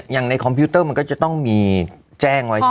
อย่างในคอมพิวเตอร์มันก็ต้องมีแจ้งไว้ที่